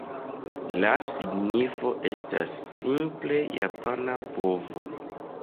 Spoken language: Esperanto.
La signifo estas, simple, "japana bovo".